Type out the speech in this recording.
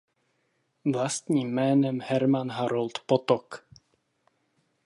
Vlastním jménem "Herman Harold Potok".